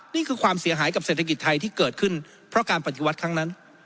นี่คือความเสียหายกับเศรษฐกิจไทยที่เกิดขึ้น